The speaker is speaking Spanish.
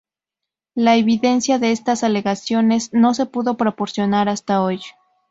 La evidencia de estas alegaciones no se pudo proporcionar hasta hoy.